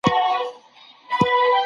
محرمیت د درملني په برخه کي ساتل کیده.